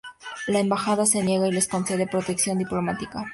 La embajada se niega y les concede protección diplomática.